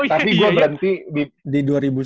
tapi gue berhenti di dua ribu sembilan belas